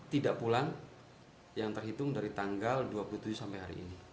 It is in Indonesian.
tidak pulang yang terhitung dari tanggal dua puluh tujuh sampai hari ini